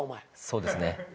そうですね。